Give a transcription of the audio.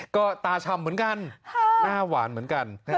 ก็ตาชำเหมือนกันหน้าหวานเหมือนกัน